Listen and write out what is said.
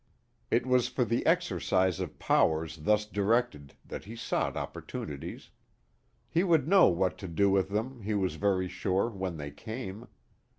It was for the exercise of powers thus directed that he sought opportunities. He would know what to do with them, he was very sure, when they came.